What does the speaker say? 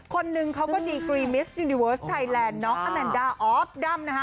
คนนึงเขาก็ดีกรีมิสยูนิเวิร์สไทยแลนด์น้องอแมนดาออฟดัมนะฮะ